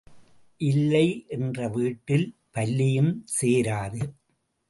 இல்லை என்ற வீட்டில் பல்லியும் சேராது.